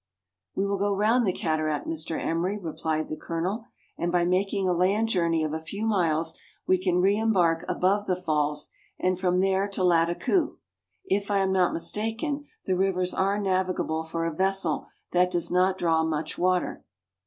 " We will go round the cataract, Mr. Emery," replied the Colonel, "and by making a land journey of a few miles, we can re embark above the falls ; and from there to Lattakoo, if I am not mistaken, the rivers are navigable for a vessel that does not draw much water."